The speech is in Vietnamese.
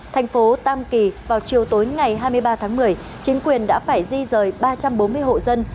thành phố tam kỳ vào chiều tối ngày hai mươi ba tháng một mươi chính quyền đã phải di rời ba trăm bốn mươi hộ dân